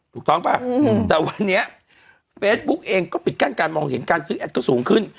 ถูกต้องป่ะแต่วันนี้เฟซบุ๊กเองก็ปิดกั้นการมองเห็นการซื้อแอดก็สูงขึ้น